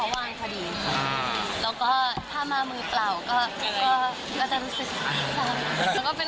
เว้นแม่น